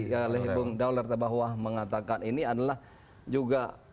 kelehiruang daulat bahwa mengatakan ini adalah juga